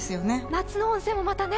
夏の温泉もまたね。